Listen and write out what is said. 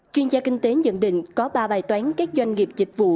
chuyên gia kinh tế nhận định có ba bài toán các doanh nghiệp dịch vụ